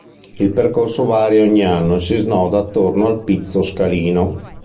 Il percorso varia ogni anno e si snoda attorno al Pizzo Scalino.